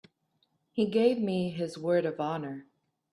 He gave me his word of honor.